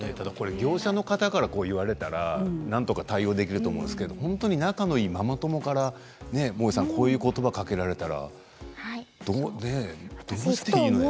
業者の方に言われたらなんとか対応できると思うんですけれども、仲のいいママ友からこういうことばをかけられたらもえさん、どうしていいのやら。